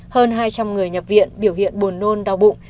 hơn hai trăm linh người nhập viện biểu hiện buồn nôn đau bụng